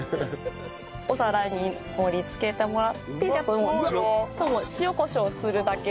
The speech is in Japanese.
お皿に盛り付けてもらってあと塩コショウするだけですね。